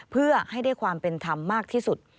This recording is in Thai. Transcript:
เพื่อให้ได้ความเป็นธรรมมากที่สุด